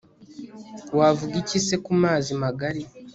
wavuga iki se ku mazi magali